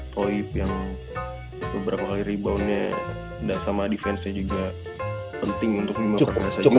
toip yang beberapa kali reboundnya sama defense nya juga penting untuk bima perkasa juga